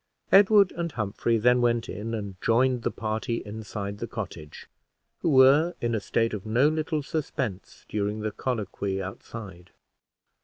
Edward and Humphrey then went in and joined the party inside the cottage, who were in a state of no little suspense during the colloquy outside.